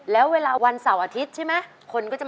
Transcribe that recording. แล้วน้องใบบัวร้องได้หรือว่าร้องผิดครับ